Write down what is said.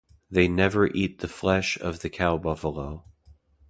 They never eat the flesh of the cow buffalo.